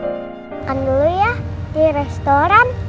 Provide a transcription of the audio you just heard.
makan dulu ya di restoran